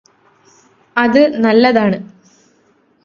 അത് നല്ലതാണ്